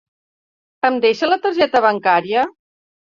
Em deixa la targeta bancària?